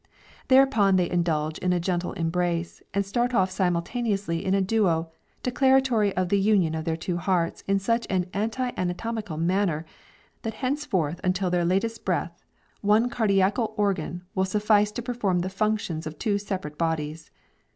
Thereupon they indulge in a gentle embrace, and start off simultaneously in a duo, declaratory of the union of their two hearts in such an anti anatomical manner, that henceforth until their latest breath, one cardiacal organ will suffice to perform the functions of two separate bodies.